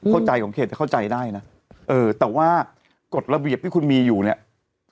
เข้าใจของเขตจะเข้าใจได้นะเออแต่ว่ากฎระเบียบที่คุณมีอยู่เนี่ย